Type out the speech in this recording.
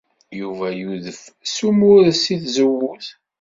Yuba yudef s ummured seg tzewwut